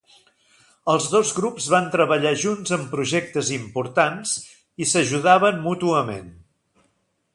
Els dos grups van treballar junts en projectes importants i s'ajudaven mútuament.